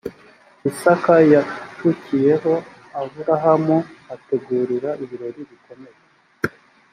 isaka yacukiyeho aburahamu ategura ibirori bikomeye